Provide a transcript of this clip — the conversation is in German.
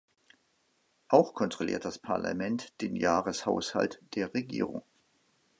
Auch kontrolliert das Parlament den Jahreshaushalt der Regierung.